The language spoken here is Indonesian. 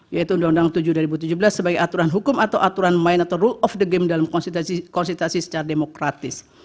yaitu undang undang tujuh dua ribu tujuh belas sebagai aturan hukum atau aturan main atau rule of the game dalam konsultasi secara demokratis